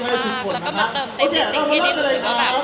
แล้วก็มาเติมในศิลป์นี้